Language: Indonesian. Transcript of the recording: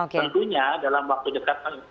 tentunya dalam waktu dekat